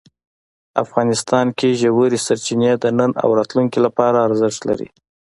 افغانستان کې ژورې سرچینې د نن او راتلونکي لپاره ارزښت لري.